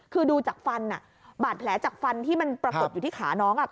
คือบาดแผลจากฝันที่มันปรากฏอยู่ที่ขาน้อง